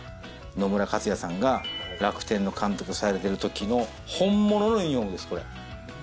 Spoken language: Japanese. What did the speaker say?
野村克也さんが楽天の監督されてる時の本物のユニホームです。